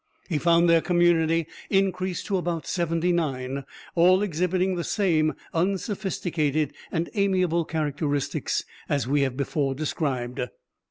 He found their community increased to about seventy nine, all exhibiting the same unsophisticated and amiable characteristics as we have before described.